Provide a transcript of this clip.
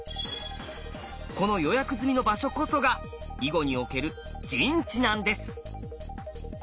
この予約済みの場所こそが囲碁における陣地なんです。